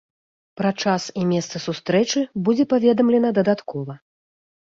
Пра час і месца сустрэчы будзе паведамлена дадаткова.